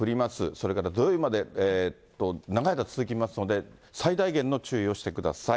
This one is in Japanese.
それから土曜日まで、長い間続きますので、最大限の注意をしてください。